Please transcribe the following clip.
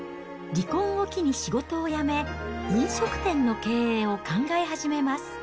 離婚を機に仕事を辞め、飲食店の経営を考え始めます。